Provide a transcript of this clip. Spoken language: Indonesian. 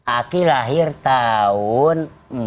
aki lahir tahun empat puluh enam